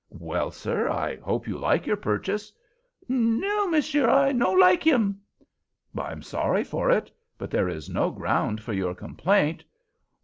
"Well, sir, I hope you like your purchase?" "No, monsieur, I no like him." "I'm sorry for it; but there is no ground for your complaint."